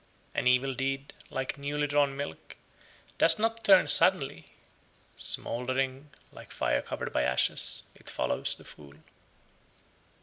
71. An evil deed, like newly drawn milk, does not turn (suddenly); smouldering, like fire covered by ashes, it follows the fool.